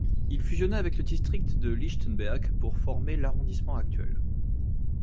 Il fusionna avec le district de Lichtenberg pour former l'arrondissement actuel.